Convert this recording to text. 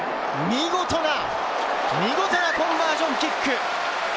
見事な、見事なコンバージョンキック。